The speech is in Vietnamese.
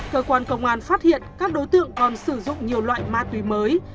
cơ quan công an phát hiện các đối tượng còn sử dụng nhiều loại ma túy mới